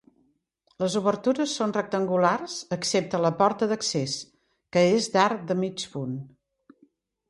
Les obertures són rectangulars excepte la porta d'accés, que és d'arc de mig punt.